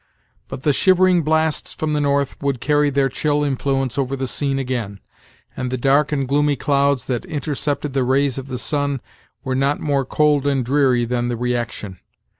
But the shivering blasts from the north would carry their chill influence over the scene again, and the dark and gloomy clouds that intercepted the rays of the sun were not more cold and dreary than the reaction.